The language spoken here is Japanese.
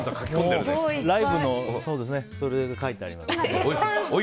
ライブのことが書いてあります。